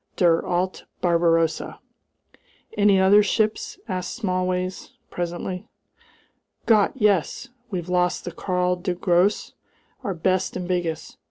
Der alte Barbarossa!" "Any other ships?" asked Smallways, presently. "Gott! Yes! We've lost the Karl der Grosse, our best and biggest.